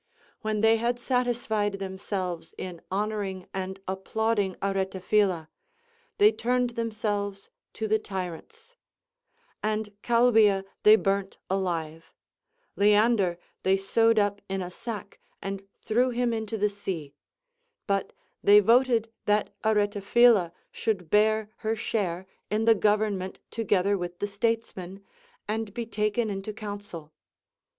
AVhen they had satis fied themselves in honoring and applauding Aretapliila, they turned themselves to the tyrants ; and Calbia they burnt alive, Leander they sewed up in a sack and threw him into the sea, but they voted that Aretaphila should bear her share in the government together with the states men, and be taken into counsel.